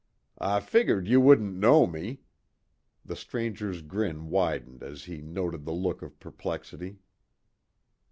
"I figured you wouldn't know me." The stranger's grin widened as he noted the look of perplexity.